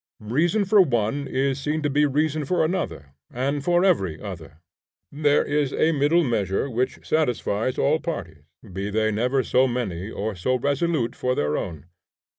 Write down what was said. Reason for one is seen to be reason for another, and for every other. There is a middle measure which satisfies all parties, be they never so many or so resolute for their own.